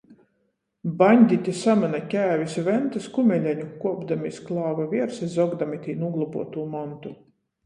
Baņditi samyna kēvis Ventys kumeleņu, kuopdami iz klāva viersa i zogdami tī nūglobuotū montu.